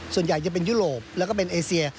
ส่วนใหญ่จะเป็นยุโรปแล้วก็เป็นเอเซีย